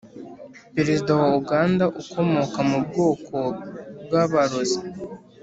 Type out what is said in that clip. perezida wa uganda ukomoka mu bwoko bw'abarozi